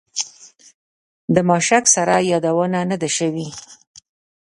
د ماشک سرای یادونه نه ده شوې.